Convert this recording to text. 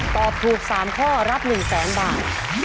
ตอบถูก๓ข้อรับ๑แสนบาท